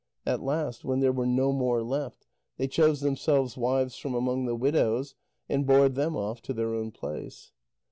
At last, when there were no more left, they chose themselves wives from among the widows, and bore them off to their own place.